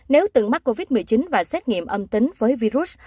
nếu từng mắc covid một mươi chín và xét nghiệm âm tính với virus